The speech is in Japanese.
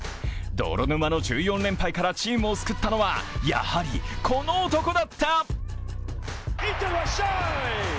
泥沼の１４連敗からチームを救ったのはやはりこの男だった。